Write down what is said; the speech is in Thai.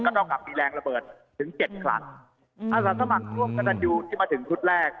ก็ต้องกับมีแรงระเบิดถึงเจ็ดครับอาศาสตร์สมัครร่วมกันทันยูที่มาถึงคุ้ดแรก